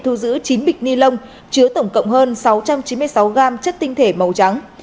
thu giữ chín bịch ni lông chứa tổng cộng hơn sáu trăm chín mươi sáu g chất tinh thể màu trắng